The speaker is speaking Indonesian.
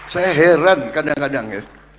saya heran kadang kadang ya